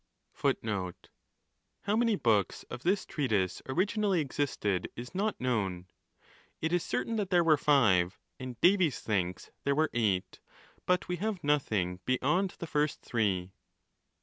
[How many books of this treatise originally existed is not known. It is certain that there were five, and Davies thinks there were eight ; but we have nothing beyond the first three.